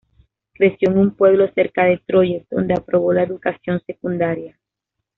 Creció en un pueblo cerca de Troyes, donde aprobó la educación secundaria.